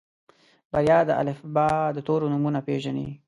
بريا د الفبا د تورو نومونه پېژني.